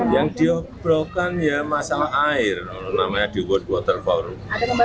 yang diobrokan ya masalah air namanya di world water forum